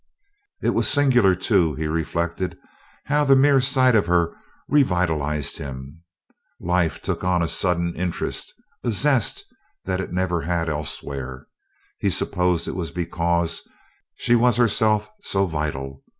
It was singular, too, he reflected, how the mere sight of her revitalized him. Life took on a sudden interest, a zest that it never had elsewhere. He supposed it was because she was herself so vital.